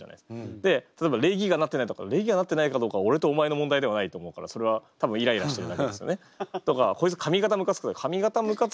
で例えば礼儀がなってないとか礼儀がなってないかどうかは俺とお前の問題ではないと思うからそれは多分イライラしてるだけですよね。とか「こいつ髪形むかつく」